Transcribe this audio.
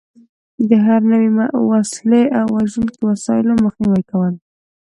د هر نوع وسلې او وژونکو وسایلو مخنیوی کول.